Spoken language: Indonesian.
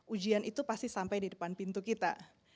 ujian itu pasti sampai di depan pintu kita